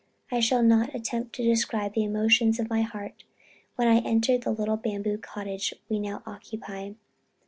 I shall not attempt to describe the emotions of my heart when I entered the little bamboo cottage we now occupy.